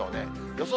予想